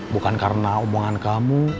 bukan karena hubungan kamu